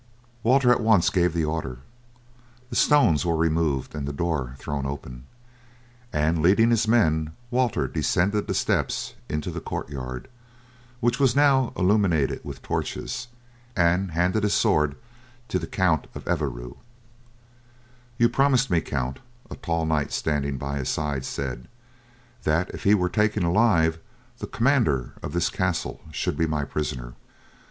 Walter at once gave the order. The stones were removed and the door thrown open, and leading his men Walter descended the steps into the courtyard, which was now illuminated with torches, and handed his sword to the Count of Evreux. "You promised me, count," a tall knight standing by his side said, "that if he were taken alive, the commander of this castle should be my prisoner."